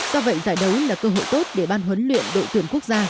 do vậy giải đấu là cơ hội tốt để ban huấn luyện đội tuyển quốc gia